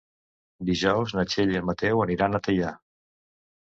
Dijous na Txell i en Mateu aniran a Teià.